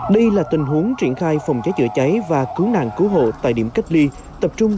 đây là tình huống triển khai phòng cháy chữa cháy và cứu nạn cứu hộ tại điểm cách ly tập trung